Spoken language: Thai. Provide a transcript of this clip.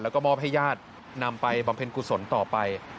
แล้วก็มอบให้ญาตินำไปบำเพ็ญกุศลต่อไป